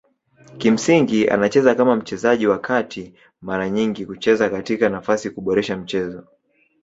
Kimsingi anacheza kama mchezaji wa kati mara nyingi kucheza katika nafasi kuboresha mchezo.